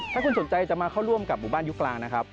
ถ้าคุณสนใจจะมาเข้าร่วมกับหมู่บ้านยุคกลางนะครับ